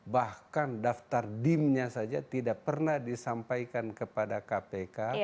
bahkan daftar dimnya saja tidak pernah disampaikan kepada kpk